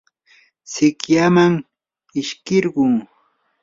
sikyaman ishkirquu.